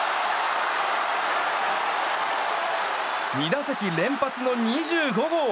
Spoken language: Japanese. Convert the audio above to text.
２打席連発の２５号！